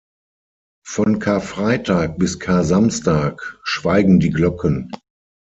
Von Karfreitag bis Karsamstag schweigen die Glocken.